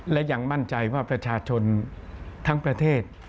และยังมั่นใจว่าประชาชนทั้งประเทศ